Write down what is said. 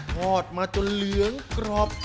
ทอดมาจนเหลืองกรอบ